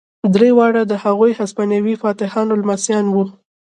درې واړه د هغو هسپانوي فاتحانو لمسیان وو.